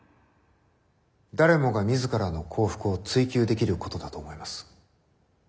誰もが自らの幸福を追求できることだと思います。